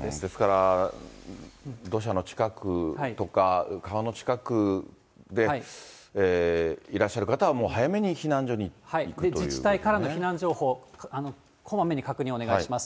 ですから、土砂の近くとか、川の近くでいらっしゃる方は、自治体からの避難情報、こまめに確認をお願いします。